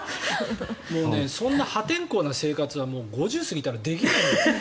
そんな破天荒な生活は５０過ぎたらできないよ。